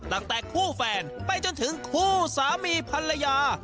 ตั้งแต่คู่แฟนไปจนถึงคู่สามีภรรยา